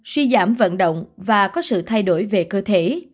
suy giảm vận động và có sự thay đổi về cơ thể